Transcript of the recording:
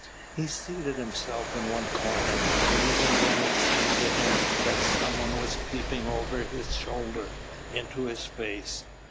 He seated himself in one corner, but even then it seemed to him that some one was peeping over his shoulder into his face.